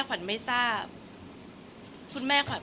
แต่ขวัญไม่สามารถสวมเขาให้แม่ขวัญได้